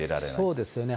そうですよね。